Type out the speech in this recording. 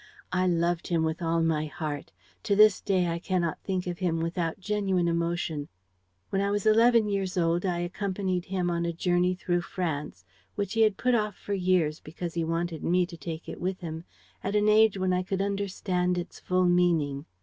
I loved him with all my heart. To this day I cannot think of him without genuine emotion. ... When I was eleven years old, I accompanied him on a journey through France, which he had put off for years because he wanted me to take it with him at an age when I could understand its full meaning.